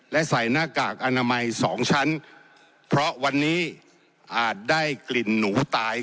และใส่หน้ากากอนามัยสองชั้นเพราะวันนี้อาจได้กลิ่นหนูตาย